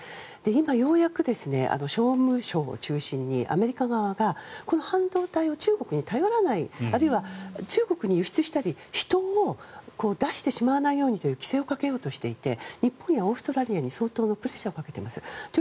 今、ようやく商務省を中心にアメリカ側がこの半導体を中国に頼らないあるいは中国に輸出したり、人を出してしまわないようにという規制をかけようとしていて日本やオーストラリアに相当なプレッシャーをかけています